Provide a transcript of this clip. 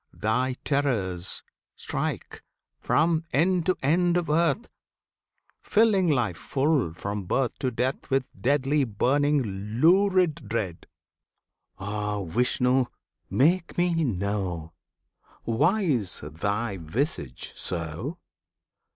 Thy terrors strike From end to end of earth, Filling life full, from birth To death, with deadly, burning, lurid dread! Ah, Vishnu! make me know Why is Thy visage so?